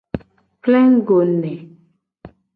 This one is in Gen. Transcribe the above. Plengugo ne.